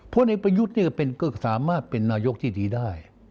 พลเอกประยุทธ์ก็สามารถเป็นนายกที่ดีได้